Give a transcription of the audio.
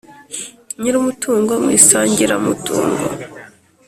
Nyir umutungo mu isangiramutungo